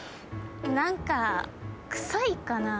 なんか臭いかな。